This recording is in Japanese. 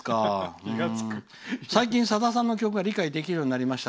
「最近、さださんの曲が理解できるようになりました。